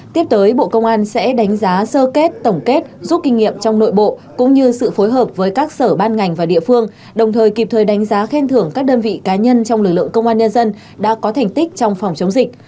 tiếp tới bộ công an sẽ đánh giá sơ kết tổng kết rút kinh nghiệm trong nội bộ cũng như sự phối hợp với các sở ban ngành và địa phương đồng thời kịp thời đánh giá khen thưởng các đơn vị cá nhân trong lực lượng công an nhân dân đã có thành tích trong phòng chống dịch